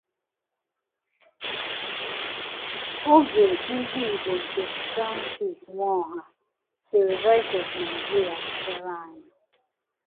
Oge ndi Igbo nke Francis Nwaoha siri Voice of Nigeria wetere anyi.